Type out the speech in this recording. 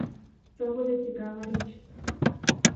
То буде цікава річ!